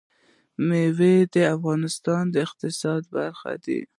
مېوې د افغانستان د اقتصاد برخه ده.